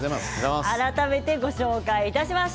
改めてご紹介します。